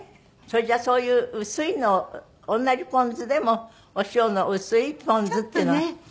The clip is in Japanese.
それじゃあそういう薄いのを同じポン酢でもお塩の薄いポン酢っていうのがあるのね？